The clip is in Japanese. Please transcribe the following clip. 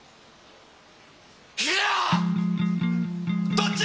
どっち？